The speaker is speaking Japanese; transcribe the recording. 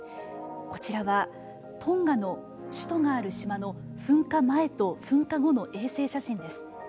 こちらは、トンガの首都がある島の噴火前と噴火後の衛星写真です。